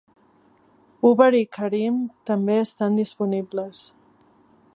Uber i Careem també estan disponibles.